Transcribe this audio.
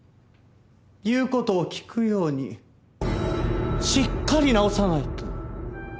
言う事を聞くようにしっかり直さないと！